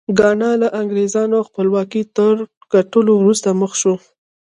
ګانا له انګرېزانو خپلواکۍ تر ګټلو وروسته مخ شو.